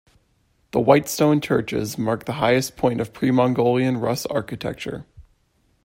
The white-stone churches mark the highest point of pre-Mongolian Rus' architecture.